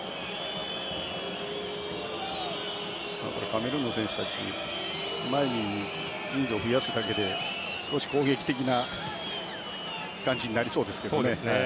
カメルーンの選手たち前に人数を増やすだけで攻撃的な感じになりそうですね。